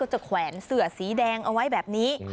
แขวนเสือสีแดงเอาไว้แบบนี้